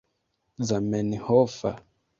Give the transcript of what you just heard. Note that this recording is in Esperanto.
zamenhofa